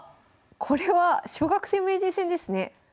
これは小学生名人戦ですね。